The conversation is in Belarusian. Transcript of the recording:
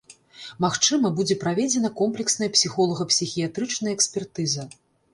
Магчыма, будзе праведзена комплексная псіхолага-псіхіятрычная экспертыза.